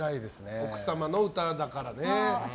奥様の歌だからね。